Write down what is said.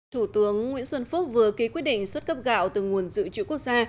thủ tướng nguyễn xuân phúc vừa ký quyết định xuất cấp gạo từ nguồn dự trữ quốc gia